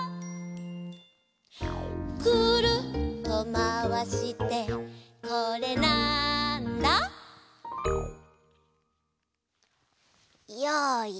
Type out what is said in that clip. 「くるっとまわしてこれ、なんだ？」よいしょ。